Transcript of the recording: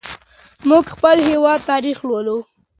موږ د خپل هېواد تاریخ لولو.